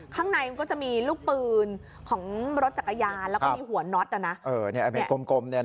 ข้างในก็จะมีลูกปืนของรถจักรยานแล้วก็มีหัวหนักอ่ะนะเออเมธกลมเนี่ยฮะ